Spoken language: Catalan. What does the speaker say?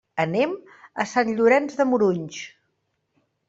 Anem a Sant Llorenç de Morunys.